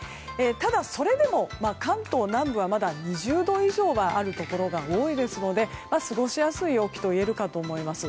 ただ、それでも関東南部はまだ２０度以上はあるところが多いですので過ごしやすい陽気といえるかと思います。